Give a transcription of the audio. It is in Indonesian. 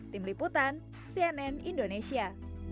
tim liputan cnn indonesia